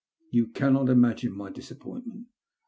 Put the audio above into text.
You cannot imagine my disappointment.